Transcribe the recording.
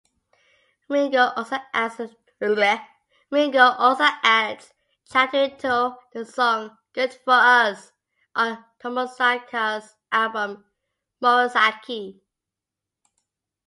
Ringo also adds chatteringto the song "Good For Us" on Tomosaka's album "Murasaki".